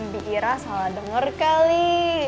biira salah denger kali